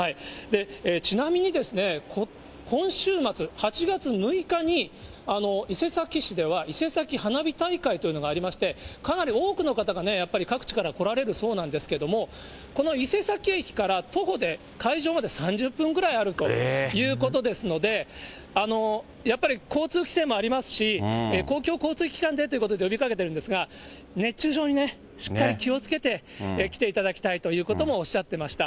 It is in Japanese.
ちなみにですね、今週末、８月６日に伊勢崎市では、伊勢崎花火大会というのがありまして、かなり多くの方がやっぱり各地から来られるそうなんですけども、この伊勢崎駅から、徒歩で会場まで３０分ぐらいあるということですので、やっぱり交通規制もありますし、公共交通機関でということで呼びかけてるんですが、熱中症にしっかり気をつけて来ていただきたいということもおっしゃってました。